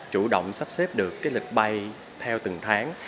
chủ động sắp xếp được lịch bay theo từng tháng